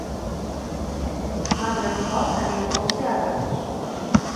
მაგრამ ზღვაოსანი ატოლზე არ გადმოსულა.